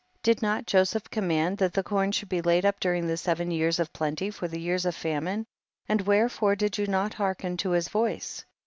did not Joseph command that the corn should be laid up dur ing the seven years of plenty for the years of famine? and wherefore did you not hearken to his voice